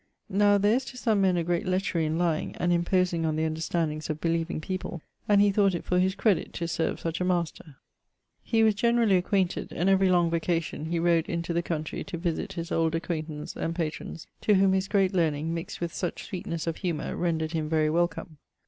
Now there is to some men a great lechery in lying, and imposing on the understandings of beleeving people, and he thought it for his credit to serve such a master. [V.] J. Power[D]. [VI.] Kington . He was generally acquainted, and every long vacation, he rode into the countrey to visitt his old acquaintance and patrones, to whom his great learning, mixt with much sweetnes of humour, rendred him very welcome.